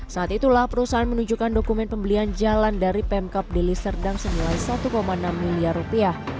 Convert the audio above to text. saat itulah perusahaan menunjukkan dokumen pembelian jalan dari pemkap deli serdang senilai satu enam miliar rupiah